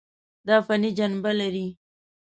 دا فني جنبه لري.